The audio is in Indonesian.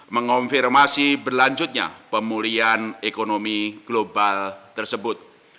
mengonfirmasi berlanjutnya pemulihan ekonomi global tersebut